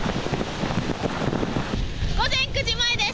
午前９時前です。